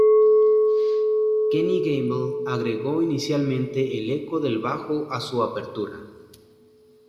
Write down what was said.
Kenny Gamble agregó inicialmente el eco del bajo a su apertura.